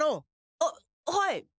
あっはい！